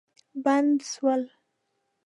بند سول.